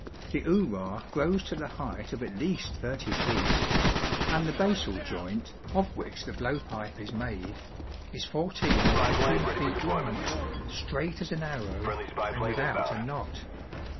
The oorah grows to the height of at least thirty feet ; and the basal joint, of which the blow pipe is made, is fourteen or fifteen feet long, straight as an arrow, and without a knot.